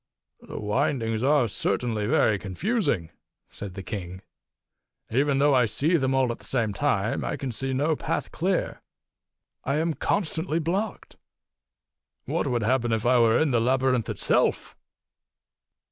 271 "The windings are certainly very confusing," said the king. "Even though I see them all at the same time, I can see no path clear. I am constantly blocked. What would happen if I were in the labyrinth itself?"